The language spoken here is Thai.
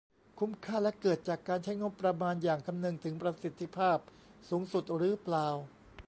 คุ้มค่าและเกิดจากการใช้งบประมาณอย่างคำนึงถึงประสิทธิภาพสูงสุดหรือเปล่า